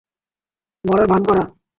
মরার ভান করা!